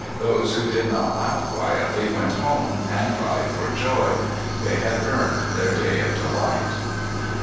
Those who did not laugh quietly went home and cried for joy. They had earned their day of delight.